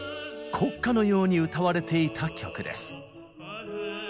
国歌のように歌われていた曲です。